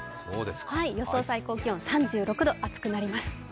予想最高気温３６度、暑くなります。